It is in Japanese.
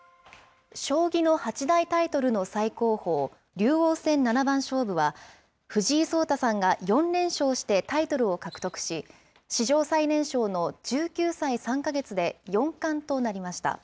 将棋の八大タイトルの最高峰、竜王戦七番勝負は、藤井聡太さんが４連勝してタイトルを獲得し、史上最年少の１９歳３か月で四冠となりました。